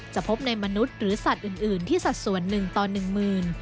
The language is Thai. พบในมนุษย์หรือสัตว์อื่นที่สัดส่วนหนึ่งต่อหนึ่งหมื่น